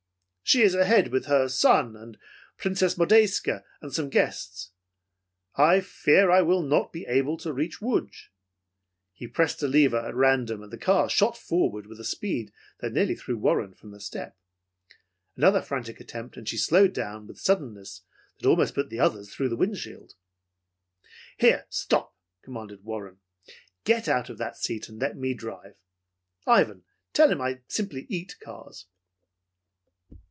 She is ahead with her son and Princess Modjeska and some guests. I fear I will not be able to reach Lodz." He pressed a lever at random, and the ear shot forward with a speed that nearly threw Warren from the step. Another frantic attempt and she slowed down with a suddenness that almost put the others through the wind shield. "Here, stop!" commanded Warren. "Get out of that seat and let me drive! Ivan, tell him I simply eat cars!"